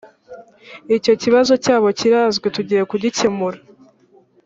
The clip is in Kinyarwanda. icyo kibazo cyabo kirazwi tugiye kugikemura